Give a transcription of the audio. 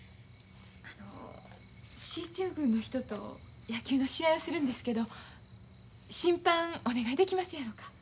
あの進駐軍の人と野球の試合をするんですけど審判お願いできますやろか？